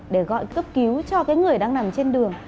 để gọi cấp cứu cho cái người đang nằm trên đường